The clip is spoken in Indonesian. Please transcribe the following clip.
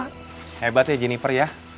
hebat ya jeniper ya